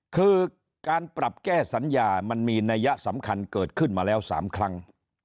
คือการปรับแก้สัญญามันมีนัยยะสำคัญเกิดขึ้นมาแล้ว๓ครั้ง